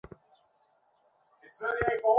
আরে বড় সমস্যা কি?